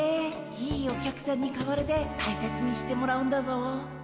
いいお客さんに買われて大切にしてもらうんだぞ。